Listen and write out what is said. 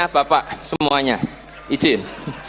bapak semuanya izin